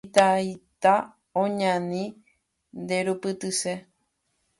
Mitãita oñani nderupytyse